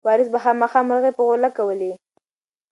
وارث به خامخا مرغۍ په غولکه ولي.